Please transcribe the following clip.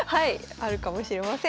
あるかもしれません。